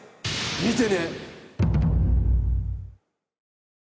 見てね！